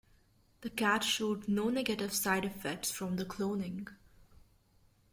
The cat showed no negative side effects from the cloning.